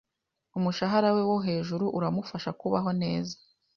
Umushahara we wo hejuru uramufasha kubaho neza .